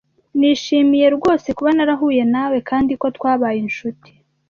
Nishimiye rwose kuba narahuye nawe kandi ko twabaye inshuti.